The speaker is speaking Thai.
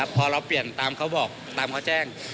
พอเราเปลี่ยนตามเขาบอกตามเขาแจ้ง